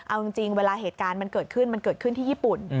เอาจริงเวลาเหตุการณ์มันเกิดขึ้นมันเกิดขึ้นที่ญี่ปุ่น